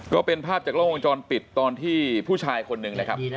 ก็เป็นภาพจากล้องวงจรปิดตอนที่ผู้ชายคนหนึ่งนะครับ